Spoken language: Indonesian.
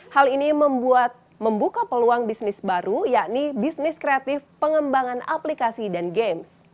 hal ini membuka peluang bisnis baru yakni bisnis kreatif pengembangan aplikasi dan games